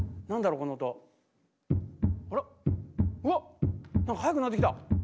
うわっ何か速くなってきた。